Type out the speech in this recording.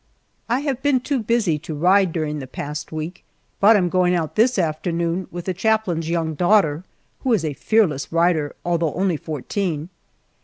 I have been too busy to ride during the past week, but am going out this afternoon with the chaplain's young daughter, who is a fearless rider, although only fourteen.